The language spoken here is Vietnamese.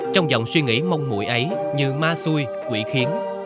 trong dòng suy nghĩ mong mụi ấy như ma xuôi quỷ khiến